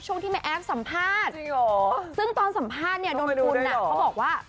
ช่วงที่แม่แอฟสัมภาษณ์ซึ่งตอนสัมภาษณ์เนี่ยดนทุนเขาบอกว่า